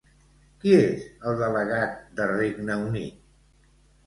Qui és el delegat de Regne Unit?